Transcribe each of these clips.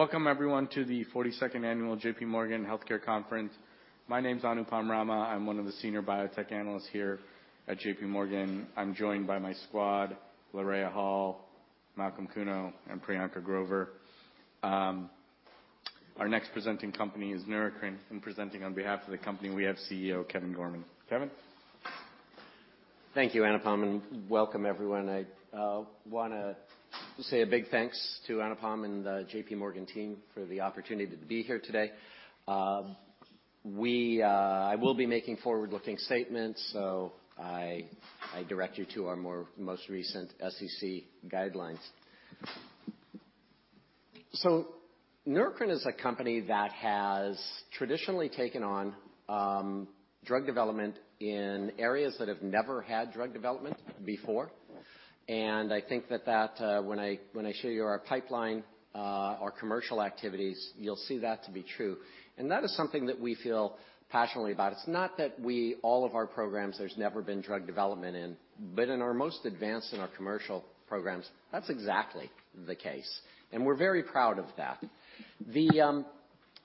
Welcome everyone to the 42nd annual J.P. Morgan Healthcare Conference. My name is Anupam Rama. I'm one of the senior biotech analysts here at J.P. Morgan. I'm joined by my squad, Laraya Hall, Malcolm Kuno, and Priyanka Grover. Our next presenting company is Neurocrine, and presenting on behalf of the company, we have CEO Kevin Gorman. Kevin? Thank you, Anupam, and welcome everyone. I wanna say a big thanks to Anupam and the J.P. Morgan team for the opportunity to be here today. We will be making forward-looking statements, so I direct you to our most recent SEC guidelines. Neurocrine is a company that has traditionally taken on drug development in areas that have never had drug development before. I think that when I show you our pipeline, our commercial activities, you'll see that to be true. That is something that we feel passionately about. It's not that we... All of our programs, there's never been drug development in, but in our most advanced in our commercial programs, that's exactly the case, and we're very proud of that.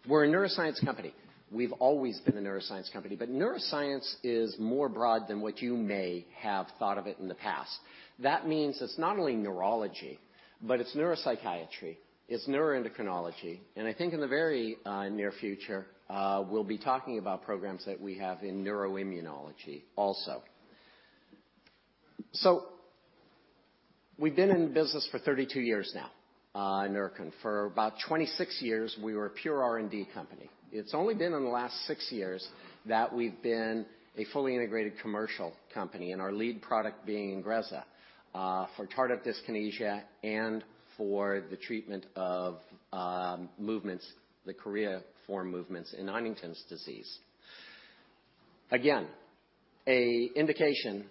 We're a neuroscience company. We've always been a neuroscience company, but neuroscience is more broad than what you may have thought of it in the past. That means it's not only neurology, but it's neuropsychiatry, it's neuroendocrinology, and I think in the very, near future, we'll be talking about programs that we have in neuroimmunology also. So we've been in business for 32 years now, Neurocrine. For about 26 years, we were a pure R&D company. It's only been in the last six years that we've been a fully integrated commercial company, and our lead product being INGREZZA, for tardive dyskinesia and for the treatment of, movements, the choreiform movements in Huntington's disease. Again, a indication,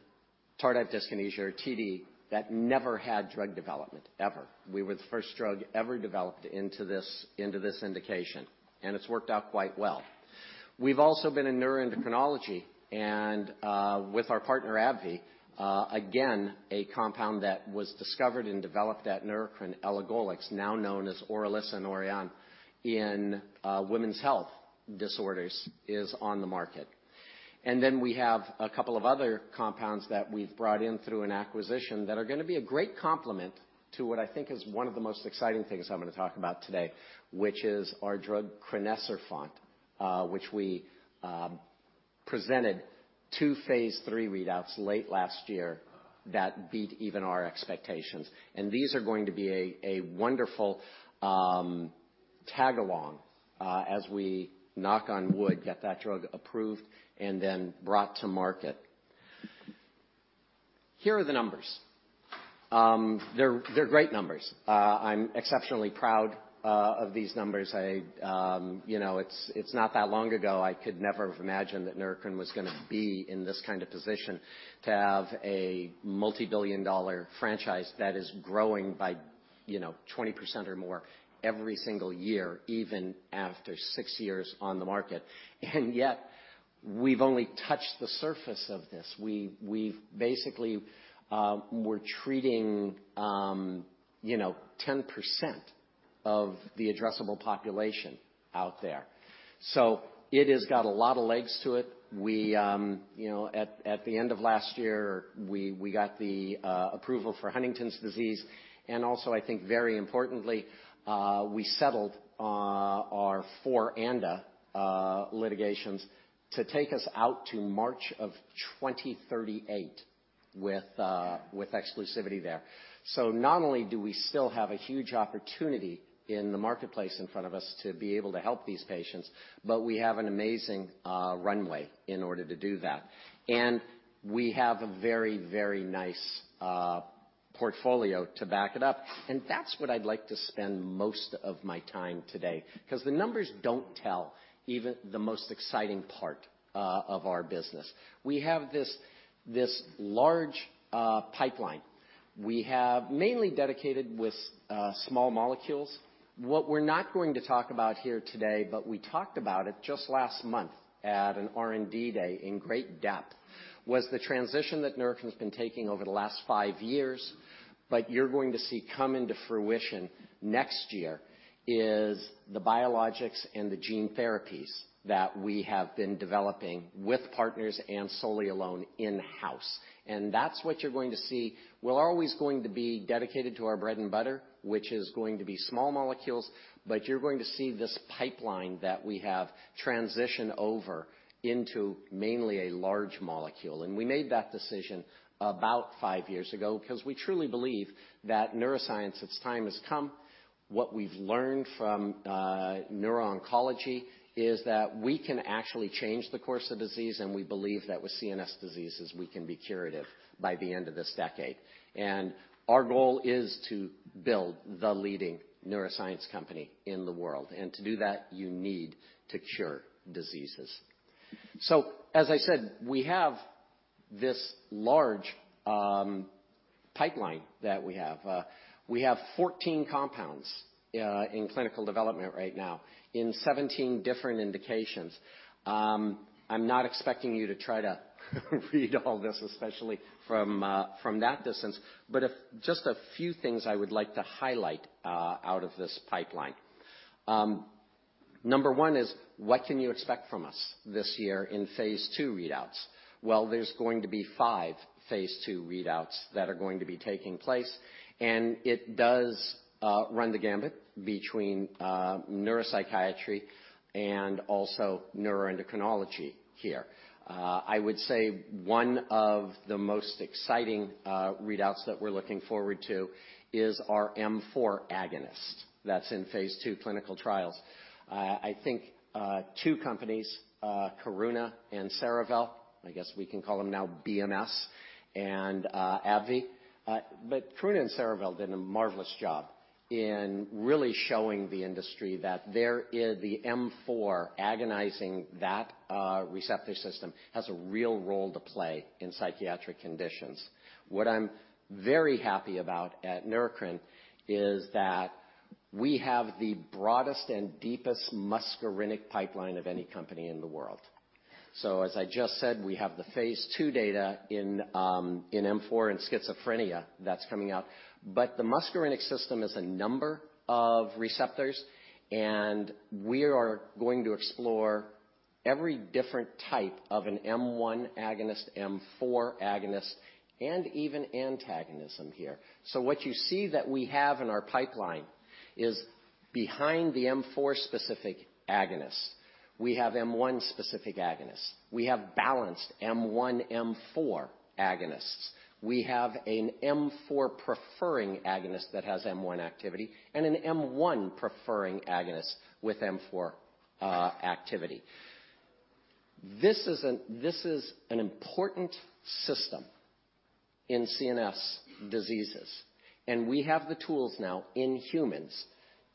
tardive dyskinesia or TD, that never had drug development, ever. We were the first drug ever developed into this, into this indication, and it's worked out quite well. We've also been in neuroendocrinology and, with our partner, AbbVie, again, a compound that was discovered and developed at Neurocrine, elagolix, now known as Orilissa and Oriahnn in women's health disorders, is on the market. And then we have a couple of other compounds that we've brought in through an acquisition that are gonna be a great complement to what I think is one of the most exciting things I'm gonna talk about today, which is our drug crinecerfont, which we, presented two phase III readouts late last year that beat even our expectations. And these are going to be a, a wonderful, tag-along, as we, knock on wood, get that drug approved and then brought to market. Here are the numbers. They're, they're great numbers. I'm exceptionally proud, of these numbers. You know, it's not that long ago I could never have imagined that Neurocrine was gonna be in this kind of position, to have a multibillion-dollar franchise that is growing by, you know, 20% or more every single year, even after six years on the market. And yet, we've only touched the surface of this. We've basically we're treating you know, 10% of the addressable population out there. So it has got a lot of legs to it. You know, at the end of last year, we got the approval for Huntington's disease, and also, I think very importantly, we settled our four ANDA litigations to take us out to March of 2038 with exclusivity there. So not only do we still have a huge opportunity in the marketplace in front of us to be able to help these patients, but we have an amazing runway in order to do that. And we have a very, very nice portfolio to back it up, and that's what I'd like to spend most of my time today, 'cause the numbers don't tell even the most exciting part of our business. We have this large pipeline. We have mainly dedicated with small molecules. What we're not going to talk about here today, but we talked about it just last month at an R&D day in great depth, was the transition that Neurocrine has been taking over the last five years. But you're going to see come into fruition next year is the biologics and the gene therapies that we have been developing with partners and solely alone in-house. And that's what you're going to see. We're always going to be dedicated to our bread and butter, which is going to be small molecules, but you're going to see this pipeline that we have transition over into mainly a large molecule. And we made that decision about 5 years ago because we truly believe that neuroscience, its time has come. What we've learned from neuro-oncology is that we can actually change the course of disease, and we believe that with CNS diseases, we can be curative by the end of this decade. And our goal is to build the leading neuroscience company in the world, and to do that, you need to cure diseases. So as I said, we have this large, pipeline that we have. We have 14 compounds, in clinical development right now in 17 different indications. I'm not expecting you to try to read all this, especially from, from that distance, but if just a few things I would like to highlight, out of this pipeline. Number one is, what can you expect from us this year in phase II readouts? Well, there's going to be five phase II readouts that are going to be taking place, and it does, run the gamut between, neuropsychiatry and also neuroendocrinology here. I would say one of the most exciting, readouts that we're looking forward to is our M4 agonist. That's in phase II clinical trials. I think two companies, Karuna and Cerevel, I guess we can call them now BMS and AbbVie. But Karuna and Cerevel did a marvelous job in really showing the industry that there is the M4 agonism, that receptor system has a real role to play in psychiatric conditions. What I'm very happy about at Neurocrine is that we have the broadest and deepest muscarinic pipeline of any company in the world. So as I just said, we have the phase II data in M4 and schizophrenia that's coming out. But the muscarinic system is a number of receptors, and we are going to explore every different type of an M1 agonist, M4 agonist, and even antagonism here. So what you see that we have in our pipeline is behind the M4 specific agonist. We have M1 specific agonist. We have balanced M1, M4 agonists. We have an M4 preferring agonist that has M1 activity and an M1 preferring agonist with M4 activity. This is an important system in CNS diseases, and we have the tools now in humans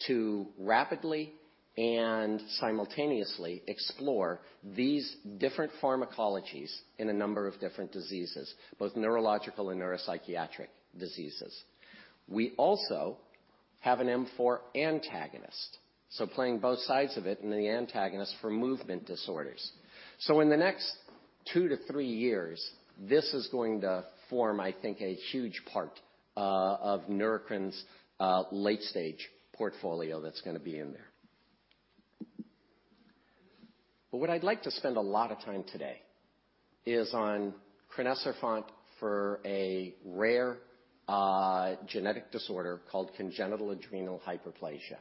to rapidly and simultaneously explore these different pharmacologies in a number of different diseases, both neurological and neuropsychiatric diseases. We also have an M4 antagonist, so playing both sides of it and the antagonist for movement disorders. So in the next two to three years, this is going to form, I think, a huge part of Neurocrine's late-stage portfolio that's gonna be in there. But what I'd like to spend a lot of time today is on crinecerfont for a rare genetic disorder called congenital adrenal hyperplasia.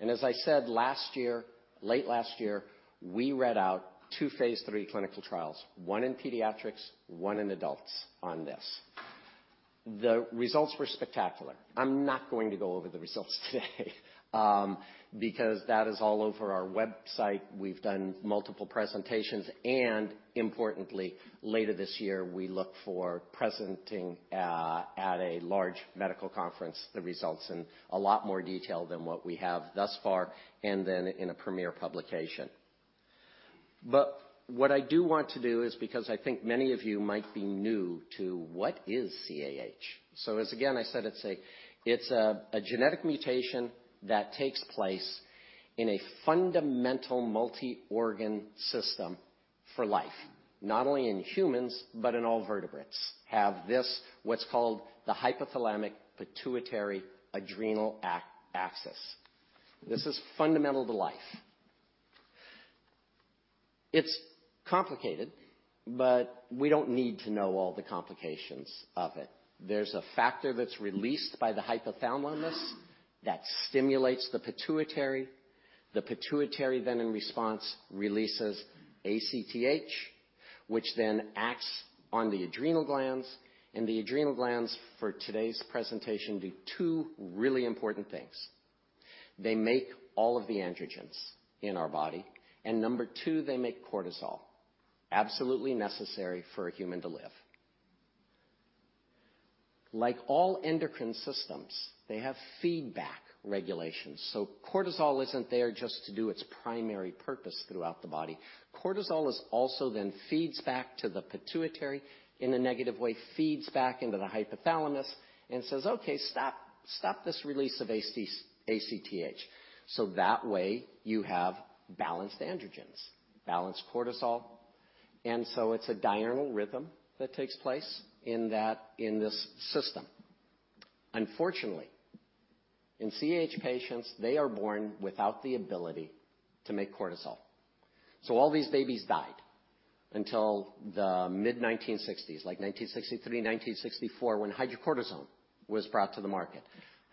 As I said last year, late last year, we read out two phase III clinical trials, one in pediatrics, one in adults on this. The results were spectacular. I'm not going to go over the results today, because that is all over our website. We've done multiple presentations, and importantly, later this year, we look for presenting at a large medical conference, the results in a lot more detail than what we have thus far, and then in a premier publication. But what I do want to do is because I think many of you might be new to what is CAH. So as again, I said, it's a genetic mutation that takes place in a fundamental multi-organ system for life, not only in humans, but in all vertebrates, have this what's called the hypothalamic-pituitary-adrenal axis. This is fundamental to life. It's complicated, but we don't need to know all the complications of it. There's a factor that's released by the hypothalamus that stimulates the pituitary. The pituitary, then in response, releases ACTH, which then acts on the adrenal glands, and the adrenal glands, for today's presentation, do two really important things: They make all of the androgens in our body, and number two, they make cortisol. Absolutely necessary for a human to live. Like all endocrine systems, they have feedback regulations, so cortisol isn't there just to do its primary purpose throughout the body. Cortisol is also then feeds back to the pituitary in a negative way, feeds back into the hypothalamus and says, "Okay, stop. Stop this release of ACTH." So that way, you have balanced androgens, balanced cortisol, and so it's a diurnal rhythm that takes place in this system. Unfortunately, in CAH patients, they are born without the ability to make cortisol. So all these babies died until the mid-1960s, like 1963, 1964, when hydrocortisone was brought to the market.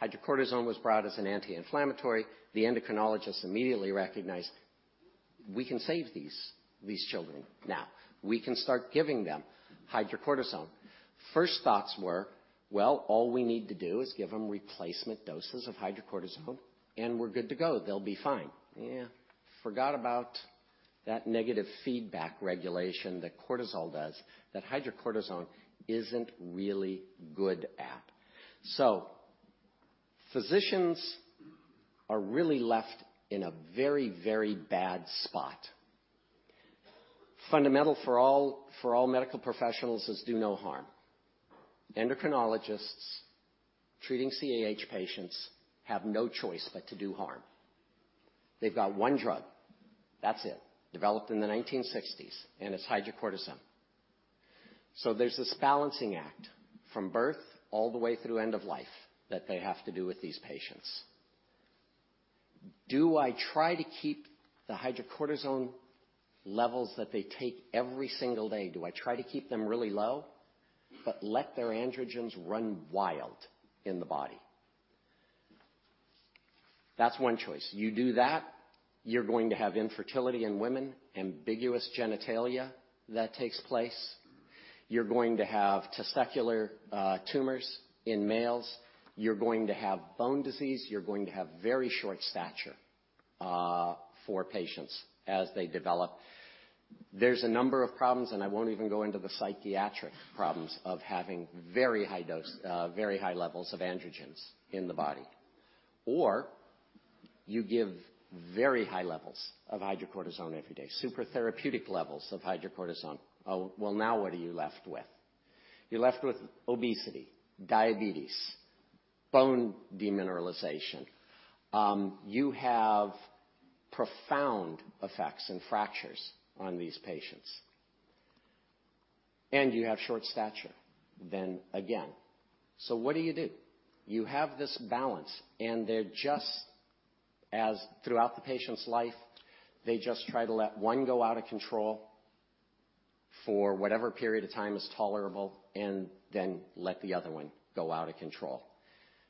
Hydrocortisone was brought as an anti-inflammatory. The endocrinologist immediately recognized, "We can save these, these children now. We can start giving them hydrocortisone." First thoughts were, "Well, all we need to do is give them replacement doses of hydrocortisone, and we're good to go. They'll be fine." Yeah, forgot about that negative feedback regulation that cortisol does, that hydrocortisone isn't really good at. So physicians are really left in a very, very bad spot. Fundamental for all, for all medical professionals is do no harm. Endocrinologists treating CAH patients have no choice but to do harm. They've got one drug, that's it. Developed in the 1960s, and it's hydrocortisone. So there's this balancing act from birth all the way through end of life that they have to do with these patients. Do I try to keep the hydrocortisone levels that they take every single day? Do I try to keep them really low, but let their androgens run wild in the body? That's one choice. You do that, you're going to have infertility in women, ambiguous genitalia that takes place. You're going to have testicular tumors in males. You're going to have bone disease. You're going to have very short stature for patients as they develop. There's a number of problems, and I won't even go into the psychiatric problems of having very high dose, very high levels of androgens in the body. Or you give very high levels of hydrocortisone every day, super therapeutic levels of hydrocortisone. Oh, well, now what are you left with? You're left with obesity, diabetes, bone demineralization. You have profound effects and fractures on these patients, and you have short stature then again. So what do you do? You have this balance, and they're just as throughout the patient's life, they just try to let one go out of control for whatever period of time is tolerable, and then let the other one go out of control.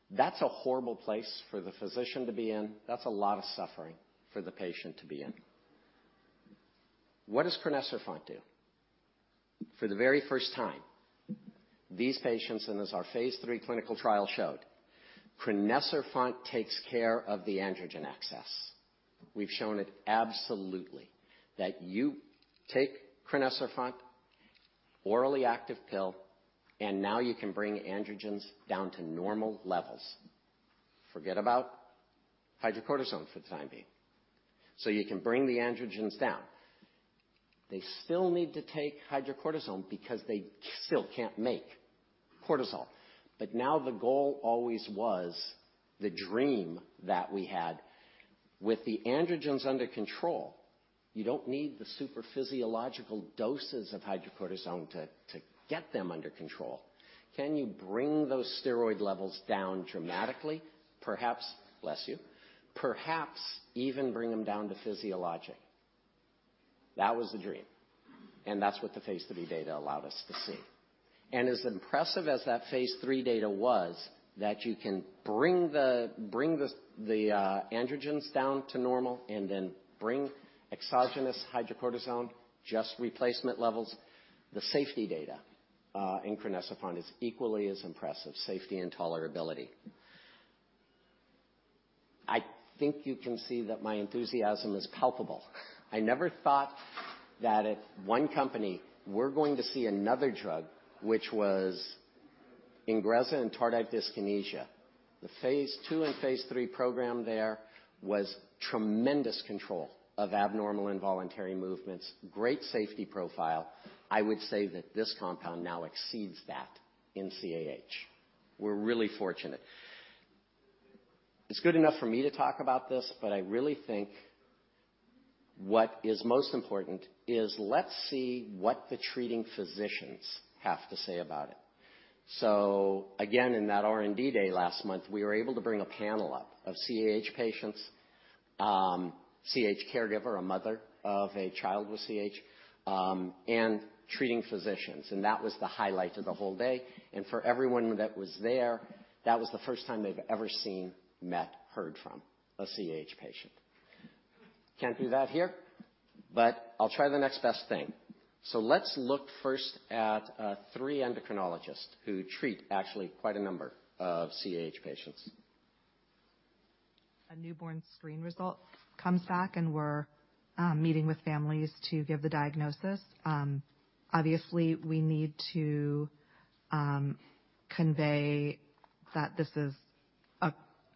That's a horrible place for the physician to be in. That's a lot of suffering for the patient to be in. What does crinecerfont do? For the very first time, these patients, and as our phase III clinical trial showed, crinecerfont takes care of the androgen excess. We've shown it absolutely that you take crinecerfont, orally active pill, and now you can bring androgens down to normal levels. Forget about hydrocortisone for the time being. So you can bring the androgens down. They still need to take hydrocortisone because they still can't make cortisol. But now the goal always was the dream that we had. With the androgens under control, you don't need the supraphysiologic doses of hydrocortisone to get them under control. Can you bring those steroid levels down dramatically? Perhaps. Bless you. Perhaps even bring them down to physiologic. That was the dream, and that's what the phase III data allowed us to see. And as impressive as that phase III data was, that you can bring the androgens down to normal and then bring exogenous hydrocortisone, just replacement levels, the safety data in crinecerfont is equally as impressive, safety and tolerability. I think you can see that my enthusiasm is palpable. I never thought that at one company, we're going to see another drug, which was INGREZZA and tardive dyskinesia. The phase II and phase III program, there was tremendous control of abnormal involuntary movements, great safety profile. I would say that this compound now exceeds that in CAH. We're really fortunate. It's good enough for me to talk about this, but I really think what is most important is let's see what the treating physicians have to say about it. So again, in that R&D day last month, we were able to bring a panel up of CAH patients, CAH caregiver, a mother of a child with CAH, and treating physicians, and that was the highlight of the whole day. For everyone that was there, that was the first time they've ever seen, met, heard from a CAH patient. Can't do that here, but I'll try the next best thing. So let's look first at three endocrinologists who treat actually quite a number of CAH patients. A newborn screen result comes back, and we're meeting with families to give the diagnosis. Obviously, we need to convey that this is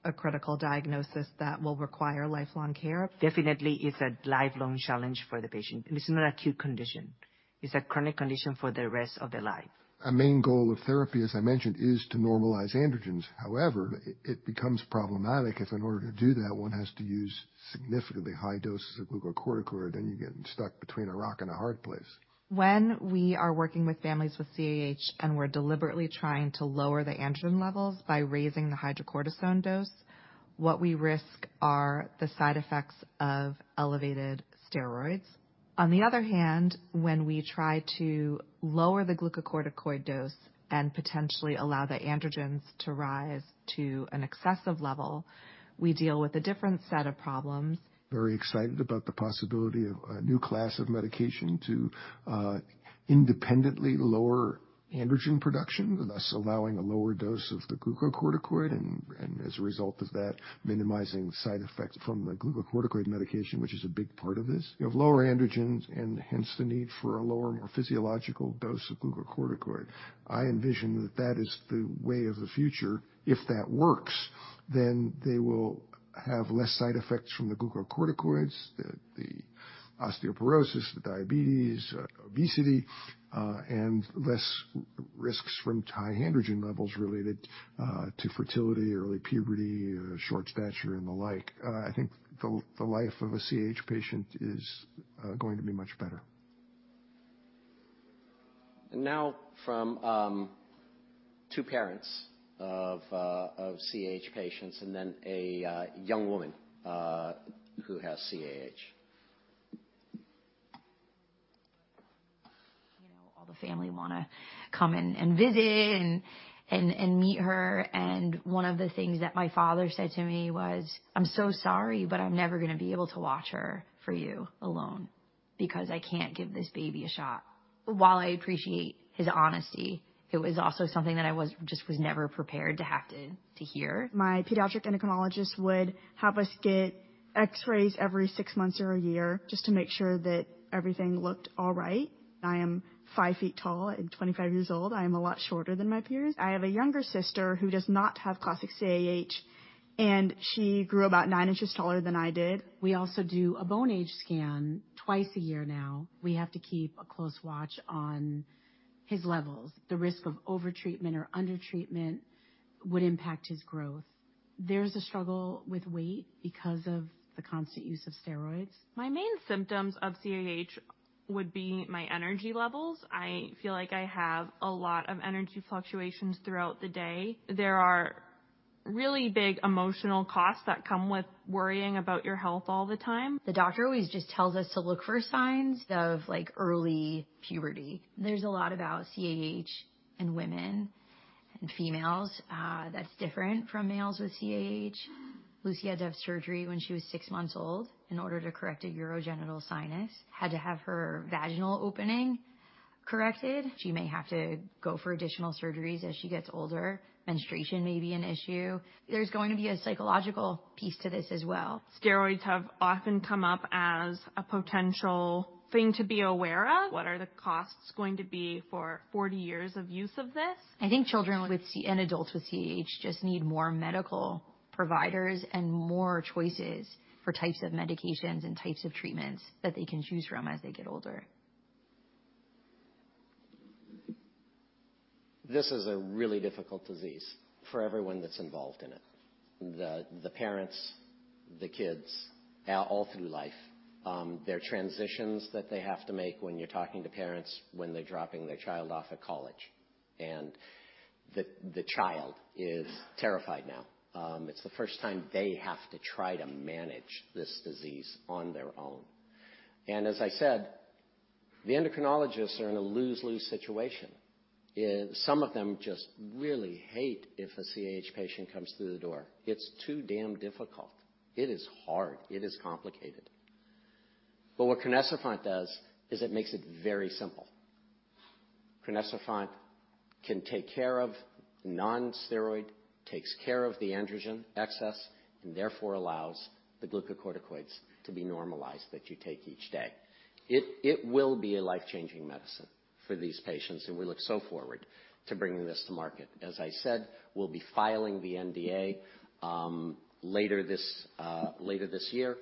a critical diagnosis that will require lifelong care. Definitely, it's a lifelong challenge for the patient. It is not an acute condition. It's a chronic condition for the rest of their life. A main goal of therapy, as I mentioned, is to normalize androgens. However, it becomes problematic if in order to do that, one has to use significantly high doses of glucocorticoid, and you're getting stuck between a rock and a hard place. When we are working with families with CAH, and we're deliberately trying to lower the androgen levels by raising the hydrocortisone dose, what we risk are the side effects of elevated steroids. On the other hand, when we try to lower the glucocorticoid dose and potentially allow the androgens to rise to an excessive level, we deal with a different set of problems. Very excited about the possibility of a new class of medication to independently lower androgen production, thus allowing a lower dose of the glucocorticoid and as a result of that, minimizing side effects from the glucocorticoid medication, which is a big part of this. You have lower androgens and hence the need for a lower, more physiological dose of glucocorticoid. I envision that that is the way of the future. If that works, then they will have less side effects from the glucocorticoids, the osteoporosis, the diabetes, obesity, and less risks from high androgen levels related to fertility, early puberty, short stature, and the like. I think the life of a CAH patient is going to be much better. And now from two parents of CAH patients and then a young woman who has CAH. You know, all the family wanna come in and visit and meet her, and one of the things that my father said to me was: "I'm so sorry, but I'm never gonna be able to watch her for you alone because I can't give this baby a shot." While I appreciate his honesty, it was also something that I was just never prepared to have to hear. My pediatric endocrinologist would have us get X-rays every six months or a year just to make sure that everything looked all right. I am five feet tall and 25 years old. I am a lot shorter than my peers. I have a younger sister who does not have classic CAH, and she grew about nine inches taller than I did. We also do a bone age scan twice a year now. We have to keep a close watch on his levels. The risk of over-treatment or under-treatment would impact his growth. There's a struggle with weight because of the constant use of steroids. My main symptoms of CAH would be my energy levels. I feel like I have a lot of energy fluctuations throughout the day. There are really big emotional costs that come with worrying about your health all the time. The doctor always just tells us to look for signs of, like, early puberty. There's a lot about CAH in women and females, that's different from males with CAH. Lucy had to have surgery when she was six months old in order to correct a urogenital sinus. Had to have her vaginal opening corrected. She may have to go for additional surgeries as she gets older. Menstruation may be an issue. There's going to be a psychological piece to this as well. Steroids have often come up as a potential thing to be aware of. What are the costs going to be for 40 years of use of this? I think children with CAH and adults with CAH just need more medical providers and more choices for types of medications and types of treatments that they can choose from as they get older. This is a really difficult disease for everyone that's involved in it, the parents, the kids, all through life. There are transitions that they have to make when you're talking to parents, when they're dropping their child off at college, and the child is terrified now. It's the first time they have to try to manage this disease on their own. And as I said, the endocrinologists are in a lose-lose situation. Some of them just really hate if a CAH patient comes through the door. It's too damn difficult. It is hard. It is complicated. But what crinecerfont does is it makes it very simple. Crinecerfont can take care of non-steroid, takes care of the androgen excess, and therefore allows the glucocorticoids to be normalized that you take each day. It will be a life-changing medicine for these patients, and we look so forward to bringing this to market. As I said, we'll be filing the NDA later this year.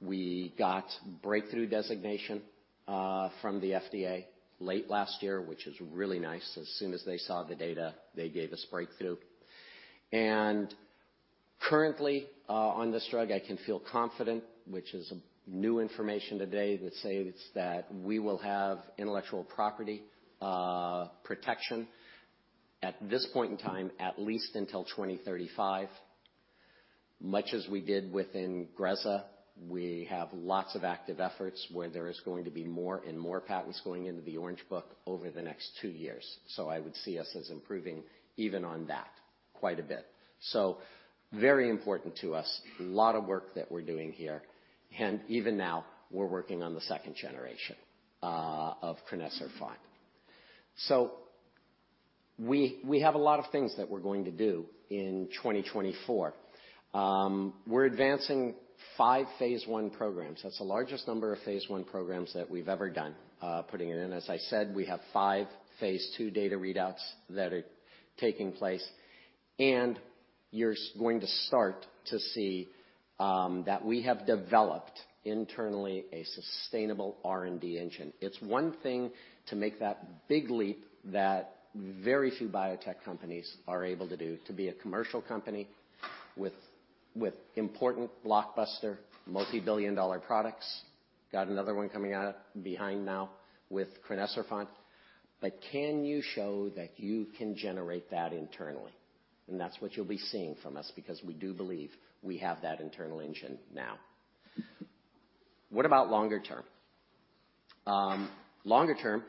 We got breakthrough designation from the FDA late last year, which is really nice. As soon as they saw the data, they gave us breakthrough. Currently, on this drug, I can feel confident, which is new information today, that says that we will have intellectual property protection at this point in time, at least until 2035. Much as we did with INGREZZA, we have lots of active efforts where there is going to be more and more patents going into the Orange Book over the next two years, so I would see us as improving even on that, quite a bit. So very important to us. A lot of work that we're doing here, and even now, we're working on the second generation of crinecerfont. So we have a lot of things that we're going to do in 2024. We're advancing five phase I programs. That's the largest number of phase I programs that we've ever done, putting it in. As I said, we have five phase II data readouts that are taking place, and you're going to start to see that we have developed internally a sustainable R&D engine. It's one thing to make that big leap that very few biotech companies are able to do, to be a commercial company with important blockbuster, multibillion-dollar products. Got another one coming out behind now with crinecerfont. But can you show that you can generate that internally? That's what you'll be seeing from us because we do believe we have that internal engine now. What about longer term? Longer term,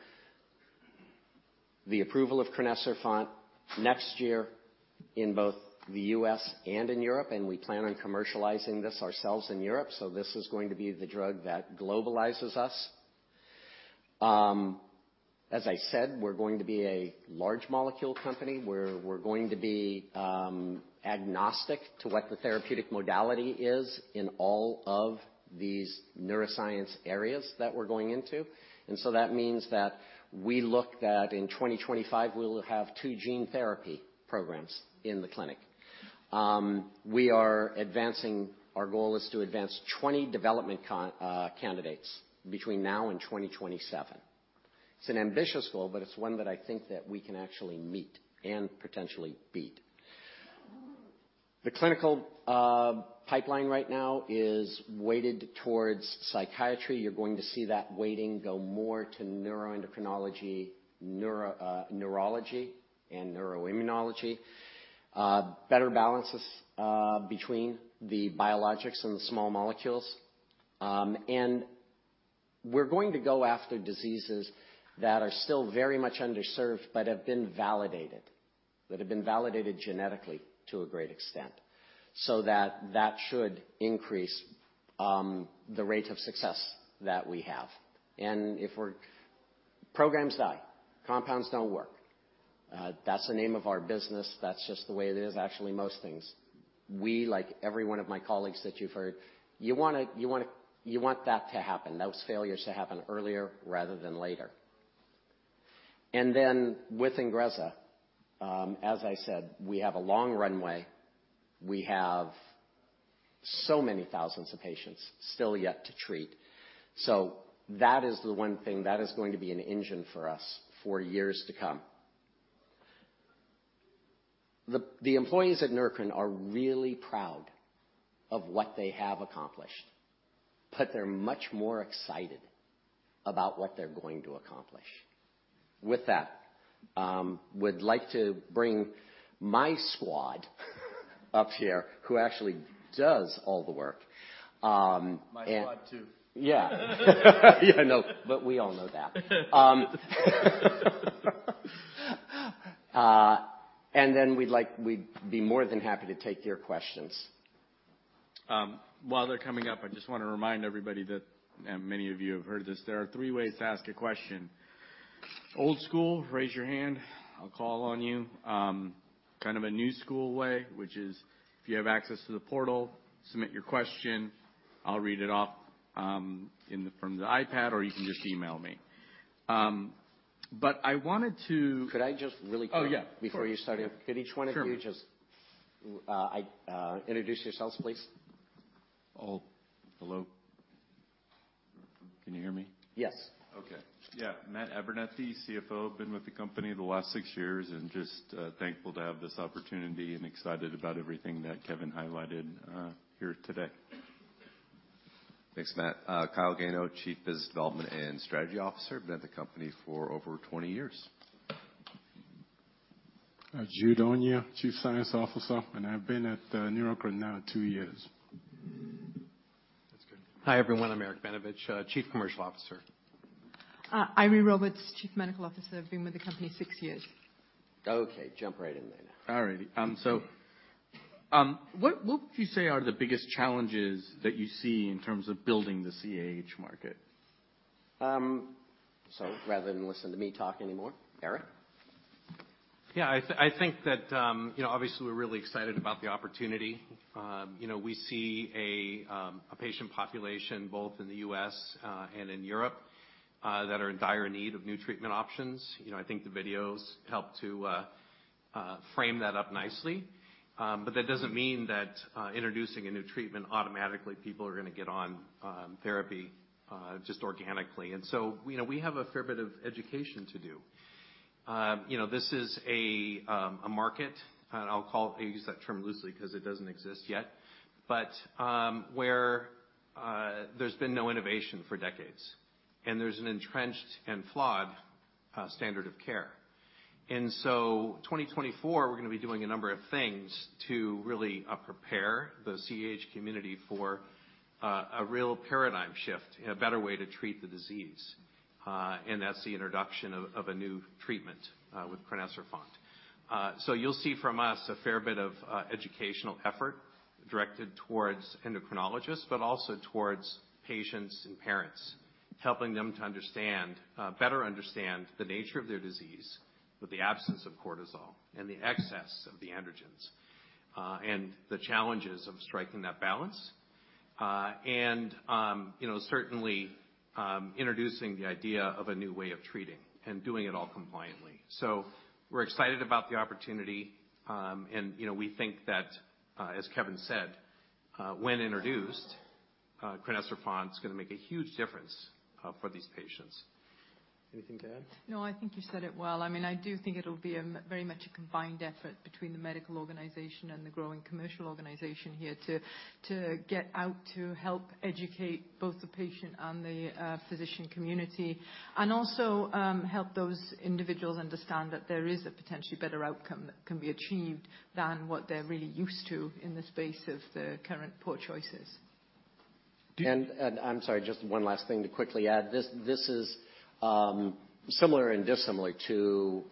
the approval of crinecerfont next year in both the U.S. and in Europe, and we plan on commercializing this ourselves in Europe, so this is going to be the drug that globalizes us. As I said, we're going to be a large molecule company where we're going to be agnostic to what the therapeutic modality is in all of these neuroscience areas that we're going into. And so that means that we look that in 2025, we'll have two gene therapy programs in the clinic. We are advancing. Our goal is to advance 20 development candidates between now and 2027. It's an ambitious goal, but it's one that I think that we can actually meet and potentially beat. The clinical pipeline right now is weighted towards psychiatry. You're going to see that weighting go more to neuroendocrinology, neurology, and neuroimmunology. Better balances between the biologics and the small molecules. And we're going to go after diseases that are still very much underserved, but have been validated. That have been validated genetically to a great extent, so that should increase the rate of success that we have. And if we're, programs die, compounds don't work. That's the name of our business. That's just the way it is, actually, most things. We, like every one of my colleagues that you've heard, you wanna, you wanna, you want that to happen, those failures to happen earlier rather than later. And then with INGREZZA, as I said, we have a long runway. We have so many thousands of patients still yet to treat. So that is the one thing that is going to be an engine for us for years to come. The employees at Neurocrine are really proud of what they have accomplished, but they're much more excited about what they're going to accomplish. With that, would like to bring my squad up here, who actually does all the work, and- My squad, too. Yeah. Yeah, I know, but we all know that. And then we'd be more than happy to take your questions. While they're coming up, I just wanna remind everybody that, and many of you have heard this, there are three ways to ask a question. Old school, raise your hand, I'll call on you. Kind of a new school way, which is, if you have access to the portal, submit your question, I'll read it off, from the iPad, or you can just email me. But I wanted to- Could I just really quickly- Oh, yeah. Before you start, could each one of you- Sure. Just introduce yourselves, please? Oh, hello. Can you hear me? Yes. Okay. Yeah, Matt Abernethy, CFO. Been with the company the last six years and just thankful to have this opportunity and excited about everything that Kevin highlighted here today. Thanks, Matt. Kyle Gano, Chief Business Development and Strategy Officer. Been at the company for over 20 years. Jude Onyia, Chief Science Officer, and I've been at Neurocrine now two years. That's good. Hi, everyone, I'm Eric Benevich, Chief Commercial Officer. Eiry Roberts, Chief Medical Officer. I've been with the company six years. Okay, jump right in then. All righty. So, what would you say are the biggest challenges that you see in terms of building the CAH market? Rather than listen to me talk anymore, Eric? Yeah, I think that, you know, obviously, we're really excited about the opportunity. You know, we see a patient population, both in the U.S. and in Europe, that are in dire need of new treatment options. You know, I think the videos help to frame that up nicely. But that doesn't mean that introducing a new treatment automatically people are gonna get on therapy just organically. And so, you know, we have a fair bit of education to do. You know, this is a market, I use that term loosely because it doesn't exist yet. But where there's been no innovation for decades, and there's an entrenched and flawed standard of care. And so 2024, we're gonna be doing a number of things to really prepare the CAH community for a real paradigm shift, a better way to treat the disease, and that's the introduction of a new treatment with crinecerfont. So you'll see from us a fair bit of educational effort directed towards endocrinologists, but also towards patients and parents, helping them to understand better understand the nature of their disease with the absence of cortisol and the excess of the androgens, and the challenges of striking that balance. And you know, certainly introducing the idea of a new way of treating and doing it all compliantly. So we're excited about the opportunity. And you know, we think that as Kevin said, when introduced crinecerfont is gonna make a huge difference for these patients. Anything to add? No, I think you said it well. I mean, I do think it'll be very much a combined effort between the medical organization and the growing commercial organization here to, to get out, to help educate both the patient and the physician community. And also, help those individuals understand that there is a potentially better outcome that can be achieved than what they're really used to in the space of the current poor choices. I'm sorry, just one last thing to quickly add. This is similar and dissimilar to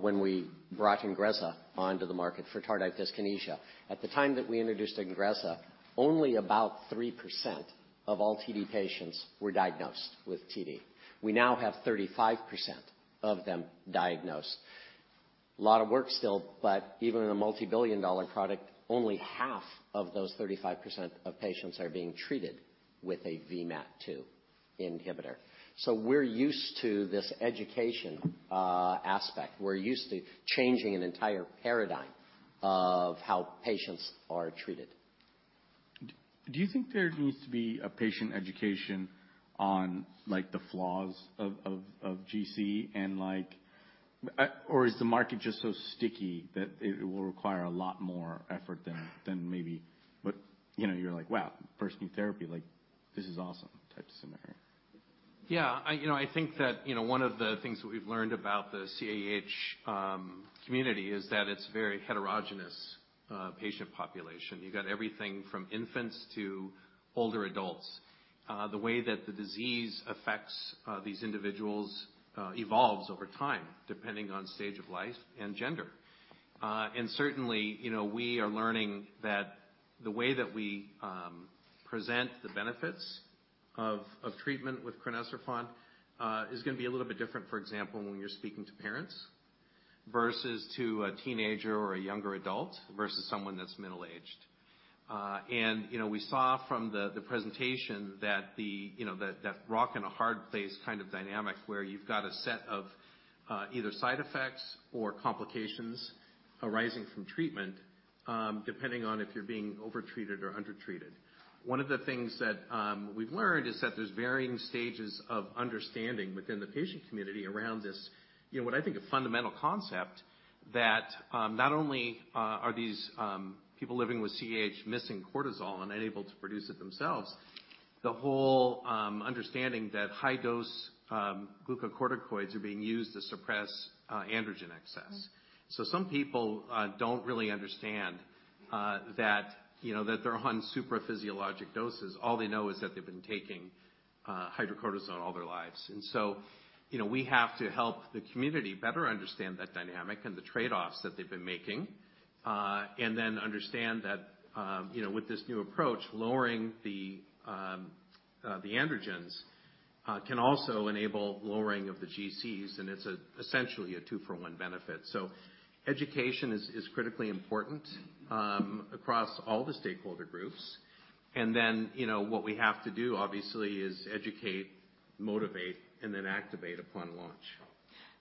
when we brought INGREZZA onto the market for tardive dyskinesia. At the time that we introduced INGREZZA, only about 3% of all TD patients were diagnosed with TD. We now have 35% of them diagnosed. A lot of work still, but even in a multi-billion-dollar product, only half of those 35% of patients are being treated with a VMAT2 inhibitor. So we're used to this education aspect. We're used to changing an entire paradigm of how patients are treated. Do you think there needs to be a patient education on, like, the flaws of GC and like, or is the market just so sticky that it will require a lot more effort than maybe? But, you know, you're like: "Wow, first new therapy, like, this is awesome" type of scenario. Yeah, you know, I think that, you know, one of the things that we've learned about the CAH community is that it's very heterogeneous patient population. You've got everything from infants to older adults. The way that the disease affects these individuals evolves over time, depending on stage of life and gender. And certainly, you know, we are learning that the way that we present the benefits of treatment with crinecerfont is gonna be a little bit different. For example, when you're speaking to parents versus to a teenager or a younger adult, versus someone that's middle-aged. And, you know, we saw from the presentation that, you know, that rock and a hard place kind of dynamic, where you've got a set of either side effects or complications arising from treatment, depending on if you're being overtreated or undertreated. One of the things that we've learned is that there's varying stages of understanding within the patient community around this, you know, what I think a fundamental concept, that not only are these people living with CAH missing cortisol and unable to produce it themselves, the whole understanding that high-dose glucocorticoids are being used to suppress androgen excess. Mm-hmm. So some people don't really understand, that, you know, that they're on supraphysiologic doses. All they know is that they've been taking hydrocortisone all their lives. And so, you know, we have to help the community better understand that dynamic and the trade-offs that they've been making. And then understand that, you know, with this new approach, lowering the androgens can also enable lowering of the GCs, and it's essentially a two-for-one benefit. So education is critically important across all the stakeholder groups. And then, you know, what we have to do, obviously, is educate, motivate, and then activate upon launch.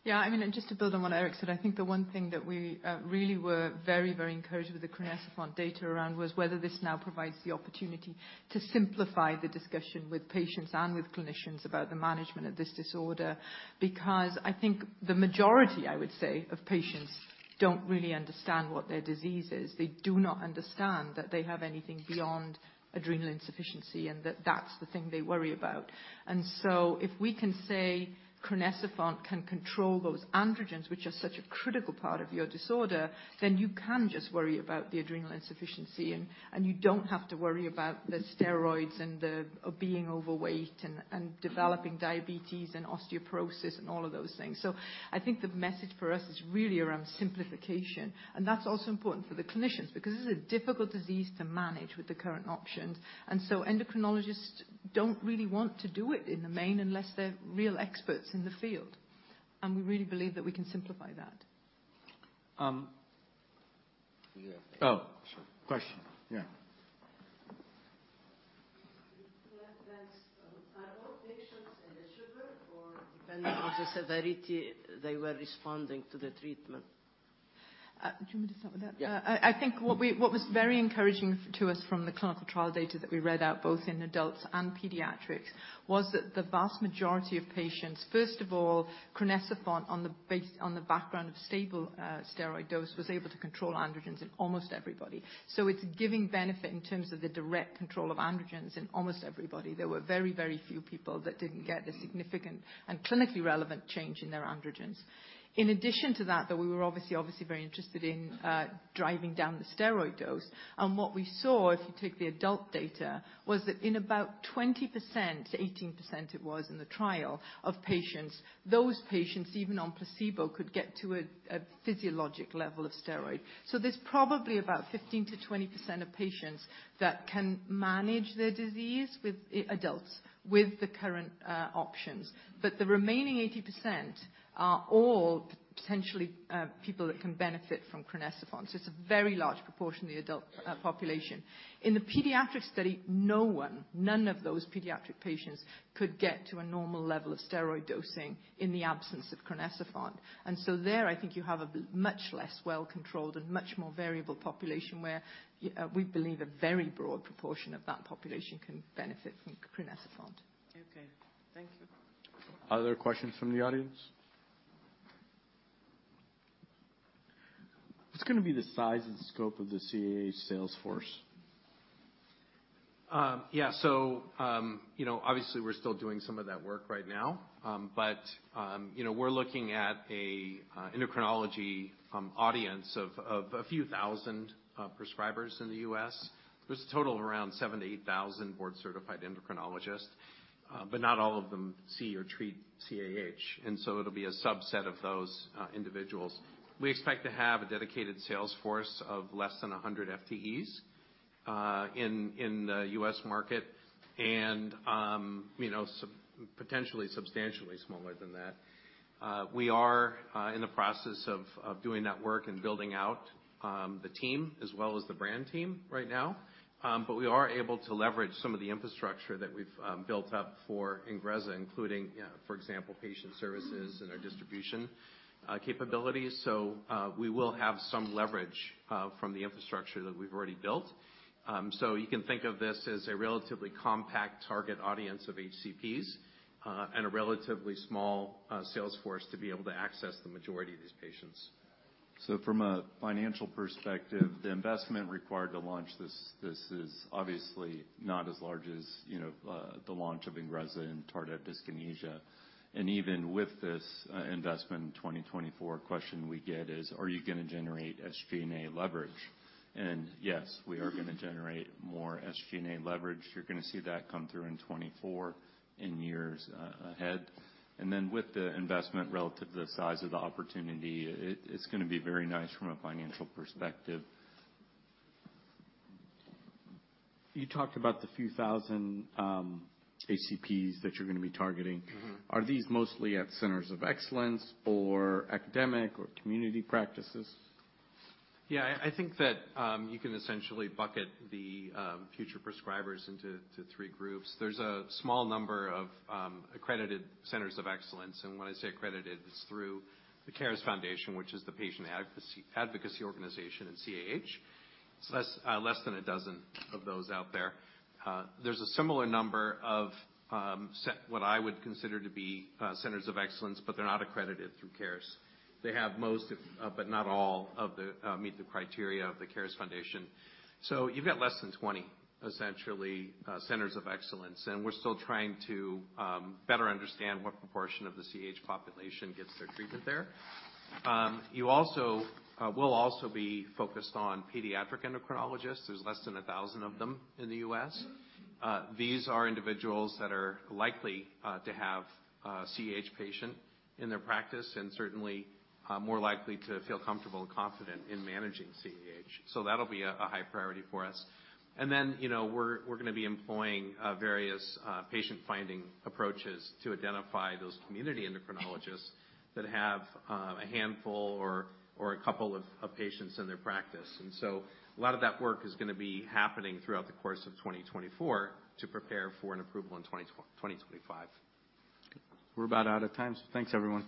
Yeah, I mean, and just to build on what Eric said, I think the one thing that we really were very, very encouraged with the crinecerfont data around was whether this now provides the opportunity to simplify the discussion with patients and with clinicians about the management of this disorder. Because I think the majority, I would say, of patients don't really understand what their disease is. They do not understand that they have anything beyond adrenal insufficiency, and that that's the thing they worry about. And so if we can say crinecerfont can control those androgens, which are such a critical part of your disorder, then you can just worry about the adrenal insufficiency, and you don't have to worry about the steroids and the being overweight, and developing diabetes and osteoporosis and all of those things. I think the message for us is really around simplification, and that's also important for the clinicians, because this is a difficult disease to manage with the current options. Endocrinologists don't really want to do it in the main unless they're real experts in the field. We really believe that we can simplify that. Oh, sure. Question. Yeah. Yeah, thanks. Are all patients in the study or depending on the severity, they were responding to the treatment? Do you want me to start with that? Yeah. I think what was very encouraging to us from the clinical trial data that we read out, both in adults and pediatrics, was that the vast majority of patients... First of all, crinecerfont on the background of stable steroid dose was able to control androgens in almost everybody. So it's giving benefit in terms of the direct control of androgens in almost everybody. There were very, very few people that didn't get the significant and clinically relevant change in their androgens. In addition to that, though, we were obviously very interested in driving down the steroid dose. And what we saw, if you take the adult data, was that in about 20%-18%, it was in the trial, of patients, those patients, even on placebo, could get to a physiologic level of steroid. So there's probably about 15%-20% of patients that can manage their disease with adults, with the current options. But the remaining 80% are all potentially people that can benefit from crinecerfont. So it's a very large proportion of the adult population. In the pediatric study, no one, none of those pediatric patients could get to a normal level of steroid dosing in the absence of crinecerfont. And so there, I think you have a much less well-controlled and much more variable population, where we believe a very broad proportion of that population can benefit from crinecerfont. Okay. Thank you. Other questions from the audience? What's gonna be the size and scope of the CAH sales force? Yeah. So, you know, obviously, we're still doing some of that work right now. But, you know, we're looking at a endocrinology audience of a few thousand prescribers in the U.S. There's a total of around 78,000 board-certified endocrinologists, but not all of them see or treat CAH, and so it'll be a subset of those individuals. We expect to have a dedicated sales force of less than 100 FTEs in the U.S. market and, you know, potentially substantially smaller than that. We are in the process of doing that work and building out the team as well as the brand team right now. But we are able to leverage some of the infrastructure that we've built up for INGREZZA, including, you know, for example, patient services and our distribution capabilities. So, we will have some leverage from the infrastructure that we've already built. So you can think of this as a relatively compact target audience of HCPs, and a relatively small sales force to be able to access the majority of these patients. So from a financial perspective, the investment required to launch this, this is obviously not as large as, you know, the launch of INGREZZA and tardive dyskinesia. And even with this investment in 2024, question we get is: are you gonna generate SG&A leverage? And yes, we are gonna generate more SG&A leverage. You're gonna see that come through in 2024, in years ahead. And then with the investment relative to the size of the opportunity, it's gonna be very nice from a financial perspective. You talked about the few thousand HCPs that you're gonna be targeting. Mm-hmm. Are these mostly at centers of excellence or academic or community practices? Yeah, I think that you can essentially bucket the future prescribers into three groups. There's a small number of accredited centers of excellence, and when I say accredited, it's through the CARES Foundation, which is the patient advocacy organization in CAH. So that's less than a dozen of those out there. There's a similar number of what I would consider to be centers of excellence, but they're not accredited through Cares. They have most but not all of the meet the criteria of the CARES Foundation. So you've got less than 20, essentially, centers of excellence, and we're still trying to better understand what proportion of the CAH population gets their treatment there. We'll also be focused on pediatric endocrinologists. There's less than 1,000 of them in the U.S. These are individuals that are likely to have a CAH patient in their practice and certainly more likely to feel comfortable and confident in managing CAH. So that'll be a high priority for us. And then, you know, we're gonna be employing various patient-finding approaches to identify those community endocrinologists that have a handful or a couple of patients in their practice. And so a lot of that work is gonna be happening throughout the course of 2024 to prepare for an approval in 2025. We're about out of time. Thanks, everyone.